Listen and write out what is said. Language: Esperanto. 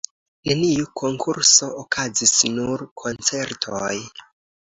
Neniu konkurso okazis, nur koncertoj.